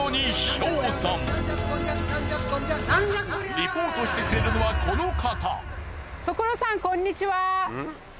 リポートしてくれるのはこの方。